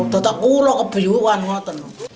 dato kulon kebiuan matan